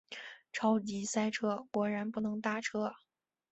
超级塞车，果然不能搭车